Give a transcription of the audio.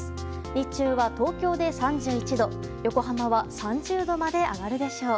日中は東京で３１度横浜は３０度まで上がるでしょう。